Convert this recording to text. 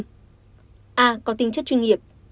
a có tinh chất chuyên nghiệp